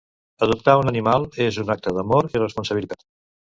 Adoptar un animal és un acte d'amor i responsabilitat.